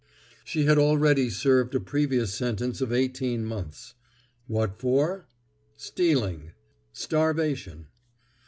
She had already served a previous sentence of eighteen months. What for? Stealing. Starvation.